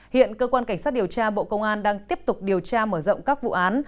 hiện cơ quan cảnh sát điều tra bộ công an đang tiếp tục điều tra mở rộng các vụ án